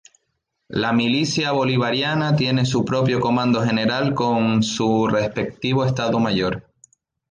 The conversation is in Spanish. La Milicia Bolivariana tiene su propio Comando General con su respectivo Estado Mayor.